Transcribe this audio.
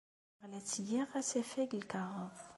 Lliɣ la d-ttgeɣ asafag n lkaɣeḍ.